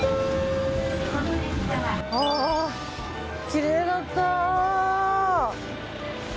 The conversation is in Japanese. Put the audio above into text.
きれいだった。